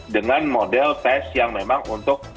dengan model tes yang memang untuk